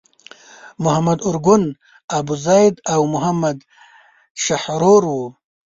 محمد ارګون، ابوزید او محمد شحرور وو.